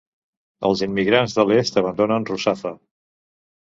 Els immigrants de l'est abandonen Russafa.